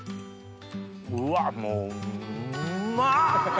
うわもううまっ！